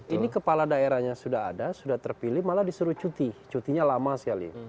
ini kepala daerahnya sudah ada sudah terpilih malah disuruh cuti cutinya lama sekali